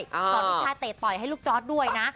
สอนพวกชายเทศป่อยให้ลูกจอสด้วยนะ